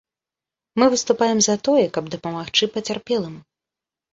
Мы выступаем за тое, каб дапамагчы пацярпелым.